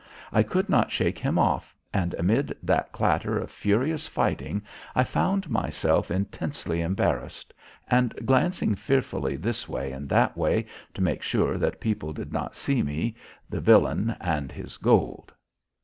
I could not shake him off, and amid that clatter of furious fighting I found myself intensely embarrassed, and glancing fearfully this way and that way to make sure that people did not see me, the villain and his gold.